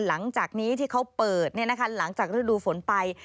หลังจากนี้ที่เขาเปิดเนี่ยนะคะหลังจากฤดูฝนไป